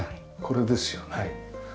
これですよね。